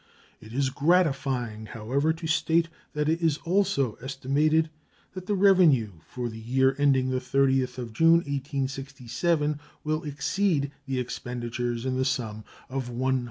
It is gratifying, however, to state that it is also estimated that the revenue for the year ending the 30th of June, 1867, will exceed the expenditures in the sum of $111,682,818.